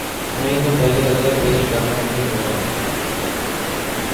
نہیں تو پہلے عذر پیش کرنا مشکل ہوتا۔